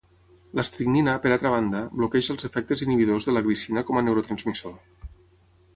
L'estricnina, per altra banda, bloqueja els efectes inhibidors de la glicina com a neurotransmissor.